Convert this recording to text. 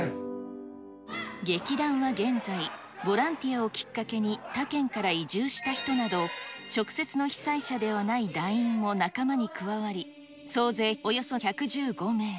劇団は現在、ボランティアをきっかけに他県から移住した人など、直接の被災者ではない団員も仲間に加わり、総勢およそ１１５名。